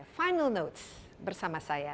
final notes bersama saya desy anwar